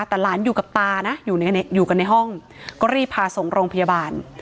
แต่หลานอยู่กับตานะอยู่กันในห้องก็รีบพาส่งโรงพยาบาล